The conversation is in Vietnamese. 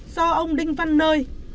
do ông đinh văn nơi